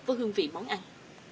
với hương vị món ăn